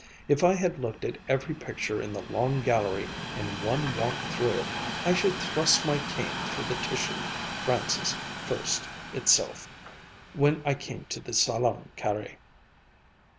If I had looked at every picture in the Long Gallery in one walk through it, I should thrust my cane through the Titian Francis First itself when I came to the Salon Carré."